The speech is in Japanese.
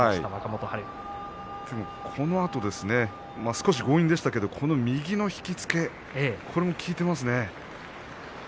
このあと少し強引だったんですが右の引き付け、これが効いていますね。